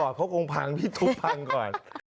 น้องมีวิทยาลัย